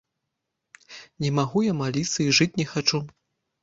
Не магу я маліцца і жыць не хачу.